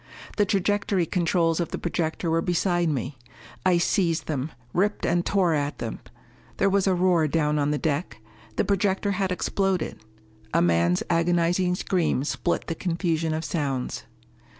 The trajectory controls of the projector were beside me. I seized them, ripped and tore at them. There was a roar down on the deck. The projector had exploded. A man's agonizing scream split the confusion of sounds.